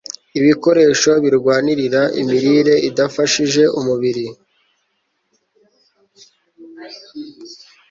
ibikoresho birwanirira imirire idafashije umubiri